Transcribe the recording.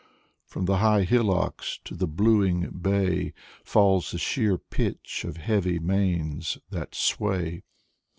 From the high hillocks to the blue ing bay Falls the sheer pitch of heavy manes that sway.